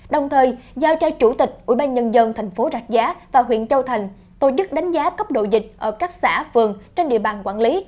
đồng thời giao cho chủ tịch ubnd tp rạch giá và huyện châu thành tổ chức đánh giá cấp độ dịch ở các xã phường trên địa bàn quản lý